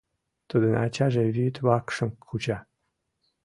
Тудын ачаже вӱд вакшым куча.